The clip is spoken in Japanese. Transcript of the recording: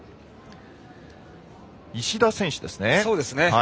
石田選手ですね。